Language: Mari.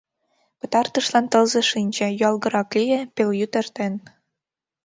Пытартышлан тылзе шинче, юалгырак лие, пелйӱд эртен.